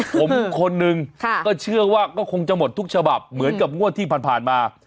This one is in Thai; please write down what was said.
ผมคนหนึ่งก็เชื่อว่าก็คงจะหมดทุกฉบับเหมือนกับงวดที่ผ่านมา